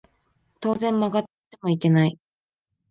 当然曲がってもいけない